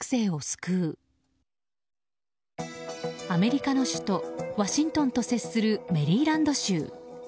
アメリカの首都ワシントンと接するメリーランド州。